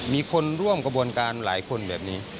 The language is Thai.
มีคนร่วมกระบวนการหลายคนแบบนี้